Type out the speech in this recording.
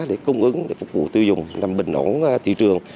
để cung ứng phục vụ tiêu dùng nằm bình ổn thị trường